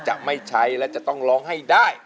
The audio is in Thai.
จะไม่ใช้และจะต้องร้องให้ได้